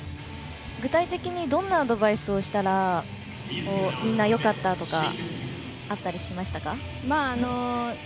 具体的にどんなアドバイスをしたらみんなよかったとかあったりしましたか？